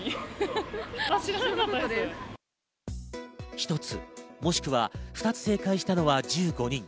１つもしくは２つ正解したのは１５人。